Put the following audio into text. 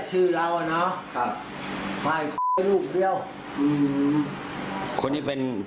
คนนี้เป็น